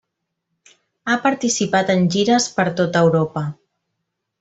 Ha participat en gires per tota Europa.